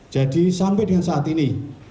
jadi sampai dengan saat ini